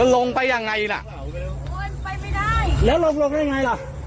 ลงไปยังไงล่ะโอ้ยไปไม่ได้แล้วลงลงได้ยังไงล่ะ